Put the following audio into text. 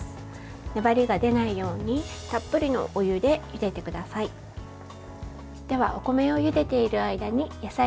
粘りが出ないようにたっぷりのお湯でゆでてください。